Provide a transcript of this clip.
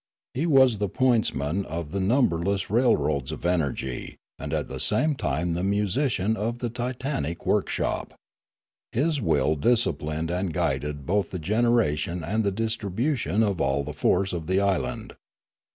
He was the pointsman of the numberless railroads of energy, and at the same time the musician of the titanic workshop. His will disciplined and guided both the generation and the distribution of all the force of the island.